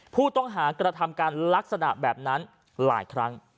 ผู้ต้องหากระทำการลักษณะแบบนั้นหลายครั้ง